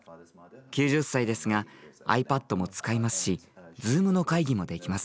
９０歳ですがｉＰａｄも使いますしｚｏｏｍの会議もできます。